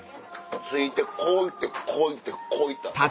着いてこう行ってこう行ってこう行った。